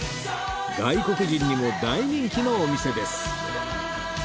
外国人にも大人気のお店です